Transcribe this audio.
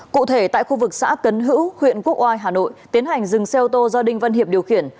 cụ thể tại khu vực xã cấn hữu huyện quốc oai hà nội tiến hành dừng xe ô tô do đinh văn hiệp điều khiển